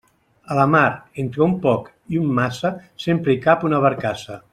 A la mar, entre un poc i un massa, sempre hi cap una barcassa.